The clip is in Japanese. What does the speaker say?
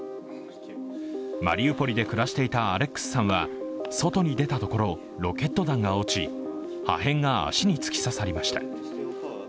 マリウポリで暮らしていたアレックスさんは外に出たところ、ロケット弾が落ち破片が足に突き刺さりました。